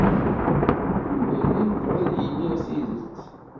Yuba yella yebɣa ad d-yini tidet.